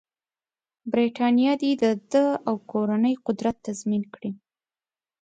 برټانیه دې د ده او کورنۍ قدرت تضمین کړي.